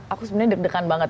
aku sebenarnya deg degan banget